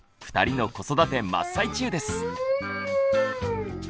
２人の子育て真っ最中です。